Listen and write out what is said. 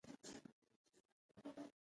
د انسان د بدن غړي داسې ځانګړتیا لري.